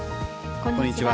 こんにちは。